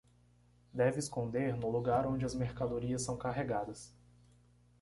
Deve esconder no lugar onde as mercadorias são carregadas